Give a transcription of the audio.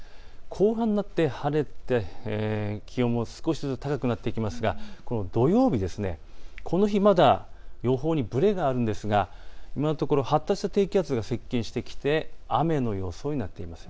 後半になって晴れて気温も少しずつ高くなってきますが、土曜日、この日、まだ予報にぶれがあるのですが今のところ発達した低気圧が接近してきて雨の予想になっています。